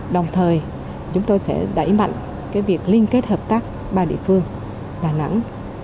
đồng thời chúng tôi sẽ đẩy mạnh việc liên kết hợp tác ba địa phương đà nẵng